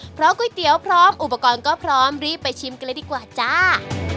เพราะก๋วยเตี๋ยวพร้อมอุปกรณ์ก็พร้อมรีบไปชิมกันเลยดีกว่าจ้า